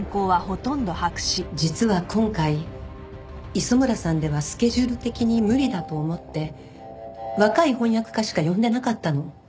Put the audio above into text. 実は今回磯村さんではスケジュール的に無理だと思って若い翻訳家しか呼んでなかったの。